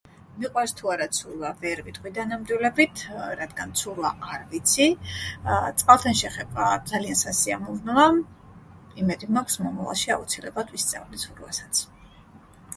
მიყვარს თუ არა ცურვა ვერ ვიტყვი დანამდვილებით, რადგან ცურვა არ ვიცი, წყალთან შეხება ძალიან სასიამოვნოა, იმედი მაქვს მომავალში აუცილებლად ვისწავლი ცურვასაც.